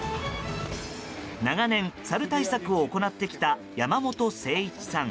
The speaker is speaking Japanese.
長年、サル対策を行ってきた山本誠一さん。